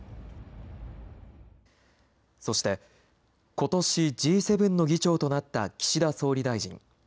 そして、ことしＧ７の議長となった岸田総理大臣。